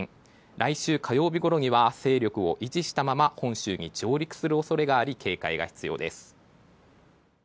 来週火曜日ごろには勢力を維持したまま本州に上陸する恐れがあり警戒が必要です。